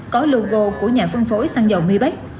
có logo của nhà phân phối xăng dầu mi bách